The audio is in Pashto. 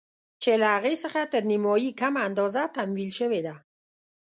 چې له هغې څخه تر نيمايي کمه اندازه تمويل شوې ده.